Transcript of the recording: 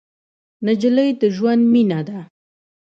نجلۍ د ژوند مینه ده.